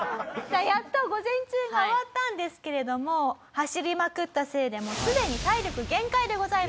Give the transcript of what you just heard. さあやっと午前中が終わったんですけれども走りまくったせいでもうすでに体力限界でございます。